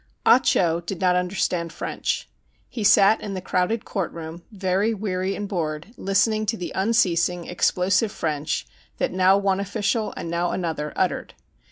AH CHO did not understand French. He sat in the crowded court room, very weary and bored, listening to the un ceasing, explosive French that now one official and now another uttered.